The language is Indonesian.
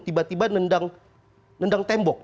tiba tiba nendang tembok